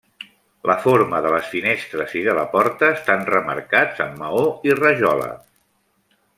La forma de les finestres i de la porta estan remarcats amb maó i rajola.